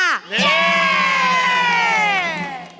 เย้